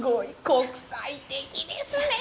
国際的ですね。